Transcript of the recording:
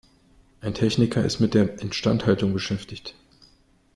Ein Techniker ist mit der Instandhaltung beschäftigt.